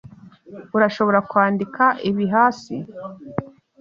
Urashobora kwandika ibi hasi?